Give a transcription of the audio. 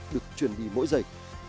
được chuẩn bị mỗi giây